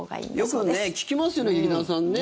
よく聞きますよね劇団さんね。